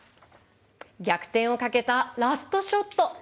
逆転をかけたラストショット。